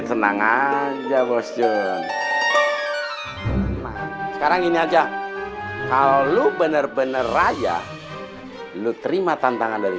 senang aja bos john sekarang ini aja kalau lo bener bener raya lu terima tantangan dari